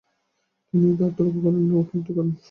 তিনি আর তর্ক করেন না, উপলব্ধি করেন।